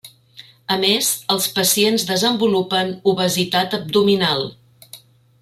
A més, els pacients desenvolupen obesitat abdominal.